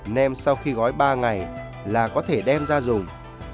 nem sau khi gói ba ngày là có thể đem ra dùng